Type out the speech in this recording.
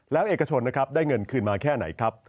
แล้วเอกชนนะครับได้เงินคืนมาแค่ไหนครับ